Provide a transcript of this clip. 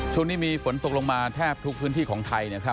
ช่วงนี้มีฝนตกลงมาแทบทุกพื้นที่ของไทยนะครับ